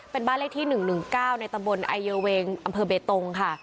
เป็นบ้านเลขที่๑๑๙ในตำบลไอเยอเวงอำเภอเบตงค่ะ